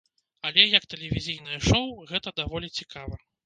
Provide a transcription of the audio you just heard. Але, як тэлевізійнае шоў, гэта даволі цікава.